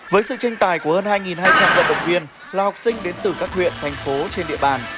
với sự tranh tài của hơn hai hai trăm linh vận động viên là học sinh đến từ các huyện thành phố trên địa bàn